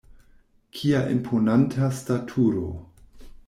Kia imponanta staturo!